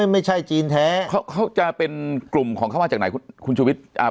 ไม่ใช่จีนแท้เขาจะเป็นกลุ่มของเขามาจากไหนคุณชูวิทย์